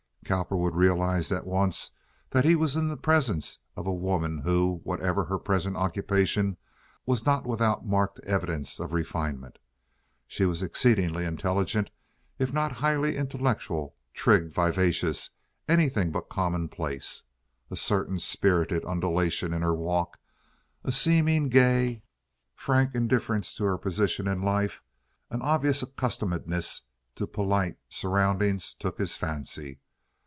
Cowperwood realized at once that he was in the presence of a woman who, whatever her present occupation, was not without marked evidences of refinement. She was exceedingly intelligent, if not highly intellectual, trig, vivacious, anything but commonplace. A certain spirited undulation in her walk, a seeming gay, frank indifference to her position in life, an obvious accustomedness to polite surroundings took his fancy.